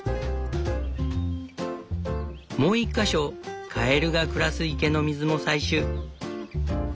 もう１か所カエルが暮らす池の水も採取。